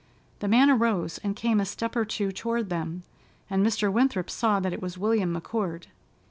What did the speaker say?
The man arose and came a step or two toward them, and Mr. Winthrop saw that it was William McCord.